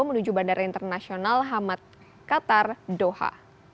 menuju bandara internasional hamad qatar doha